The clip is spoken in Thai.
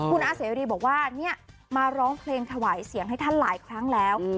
คุณอาเสรีบอกว่าเนี่ยมาร้องเพลงถวายเสียงให้ท่านหลายครั้งแล้ว